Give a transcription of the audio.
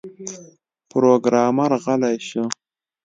پروګرامر غلی شو